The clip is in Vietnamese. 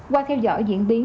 qua theo dõi diễn biến